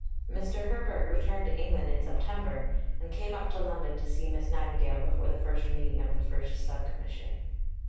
Mr. Herbert returned to England in September, and came up to London to see Miss Nightingale before the first meeting of the first Sub Commission.